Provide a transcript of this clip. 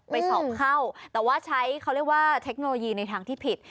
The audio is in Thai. ไปสอบเข้าแต่ว่าใช้เทคโนโลยีในทางที่ผิด